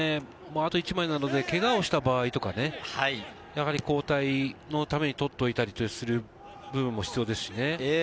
あと１枚なのでけがをした場合とか、やはり交代のために取っておいたりする部分も必要ですしね。